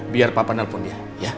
biar papa nelfon dia ya